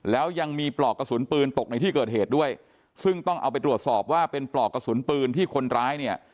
แล้วยังมีปลอกกระสุนปืนตกในที่เกิดเหตุด้วยซึ่งต้องเอาไปตรวจสอบว่าเป็นปลอกกระสุนปืนที่คนร้ายเนี่ย